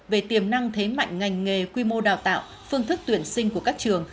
về tiềm năng thế mạnh ngành nghề quy mô đào tạo phương thức tuyển sinh của các trường